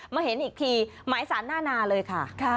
เห็นอีกทีหมายสารหน้านาเลยค่ะ